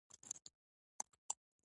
هغه یو وخت استانبول ته د تللو نیت درلود.